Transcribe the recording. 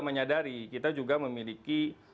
menyadari kita juga memiliki